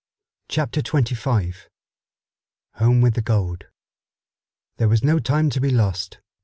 Chapter Twenty Five Home With the Gold There was no time to be lost.